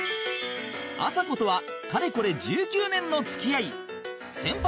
あさことはかれこれ１９年の付き合い先輩